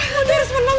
moni harus menang